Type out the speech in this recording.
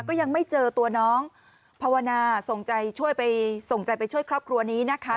ก็ยังไม่เจอตัวน้องภาวนาส่งใจช่วยไปส่งใจไปช่วยครอบครัวนี้นะคะ